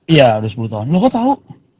iya udah sepuluh tahun lu kok tau